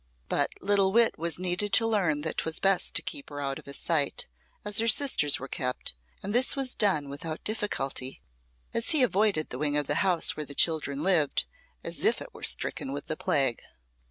But little wit was needed to learn that 'twas best to keep her out of his sight, as her sisters were kept, and this was done without difficulty, as he avoided the wing of the house where the children lived, as if it were stricken with the plague.